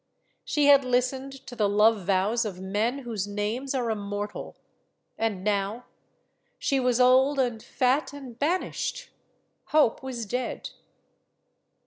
) She had listened to the love vows of men whose names are immortal. And now she was old and fat and banished. Hope was dead.